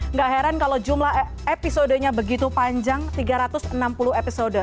nggak heran kalau jumlah episodenya begitu panjang tiga ratus enam puluh episode